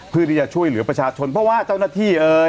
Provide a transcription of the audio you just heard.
เพื่อที่จะช่วยเหลือประชาชนเพราะว่าเจ้าหน้าที่เอ่ย